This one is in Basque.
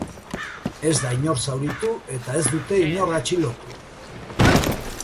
Ez da inor zauritu eta ez dute inor atxilotu.